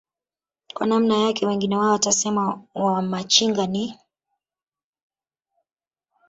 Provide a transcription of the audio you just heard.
kwa namna yake wengi wao watasema wamachinga ni